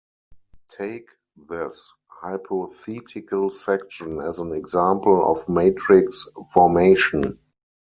Take this hypothetical section as an example of matrix formation.